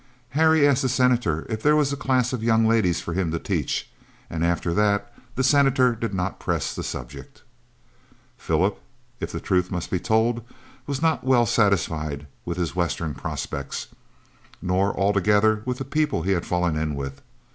Harry asked the Senator if there was a class of young ladies for him to teach, and after that the Senator did not press the subject. Philip, if the truth must be told, was not well satisfied with his western prospects, nor altogether with the people he had fallen in with.